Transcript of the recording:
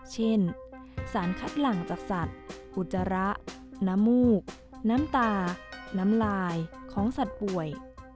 เช่นสารคัดหลังจากสัตว์อุจจาระน้ำมูกน้ำตาน้ำลายของสัตว์ป่วย